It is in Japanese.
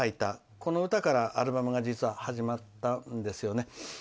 この歌からアルバムが実は、始まったんですよね。